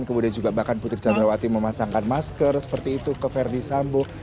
kemudian juga bahkan putri sandrawati memasangkan masker seperti itu ke ferdisambo